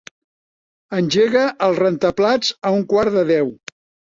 Engega el rentaplats a un quart de deu.